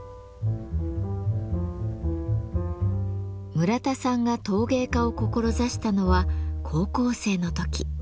村田さんが陶芸家を志したのは高校生の時。